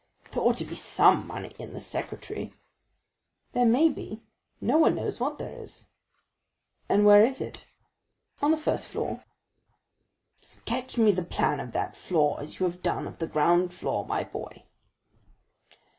"There ought to be some money in that secretaire?" "There may be. No one knows what there is." "And where is it?" "On the first floor." "Sketch me the plan of that floor, as you have done of the ground floor, my boy."